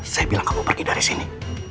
saya bilang kamu pergi dari sini